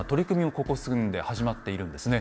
ここ数年で始まっているんですね。